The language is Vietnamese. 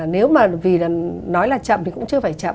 nếu mà vì nói là chậm thì cũng chưa phải chậm